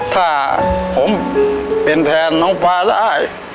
ถ้าผมเป็นแทนน้องฟ้าได้